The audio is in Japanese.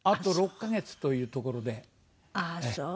ああそう。